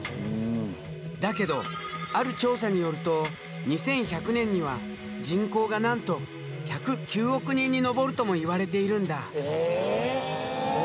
だけどある調査によると２１００年には人口がなんと１０９億人に上るともいわれているんだ。